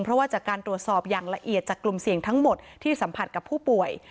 เพราะว่าจากการตรวจสอบอย่างละเอียดจากกลุ่มเสี่ยงทั้งหมดที่สัมผัสกับผู้ป่วย